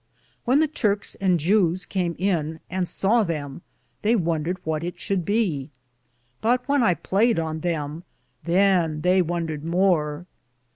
When the Turkes and Jues came in and saw them, they wondered what it should be ; but when I played on them, than they wondered more.